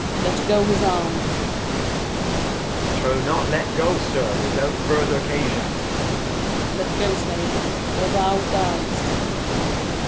Let go his Arm. Edg. 'Chin not let go, Zir, without 'vurther 'Casion. Gent. Let go. Slave, or thou Dyest.